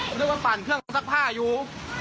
นึกว่าปั่นเครื่องซักผ้าอยู่